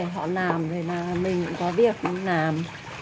họ làm rồi là mình cũng có việc làm